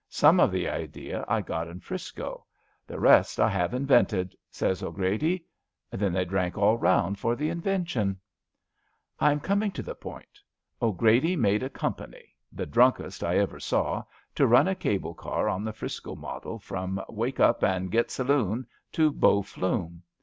Some of the idea I got in 'Frisco. The rest I have invented,' says 'Grady. Then they drank all round for the invention. I am coming to the point. 'Grady made a company — ^the drunkest I ever saw — to run a cable car on the 'Frisco model from * Wake Up an' Git Saloon ' to Bow Flume.